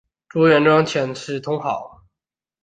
朱元璋遣使通好。